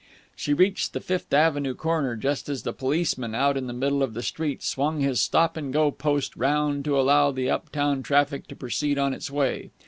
She reached the Fifth Avenue corner just as the policeman out in the middle of the street swung his Stop and Go post round to allow the up town traffic to proceed on its way.